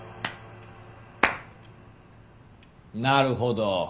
なるほど。